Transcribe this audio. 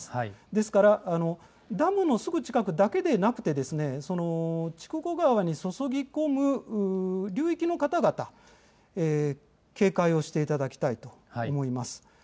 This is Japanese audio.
ですから、ダムのすぐ近くだけでなくてですね、筑後川に注ぎ込む流域の方々、警戒をしていただきたいと思います。